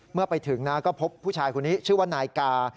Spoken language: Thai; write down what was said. เมื่อไปถึงนะก็พบผู้ชายคนนี้ชื่อว่านายกา